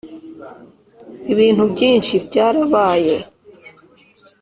ibintu byinshi byarabaye